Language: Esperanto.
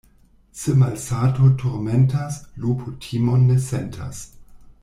Se malsato turmentas, lupo timon ne sentas.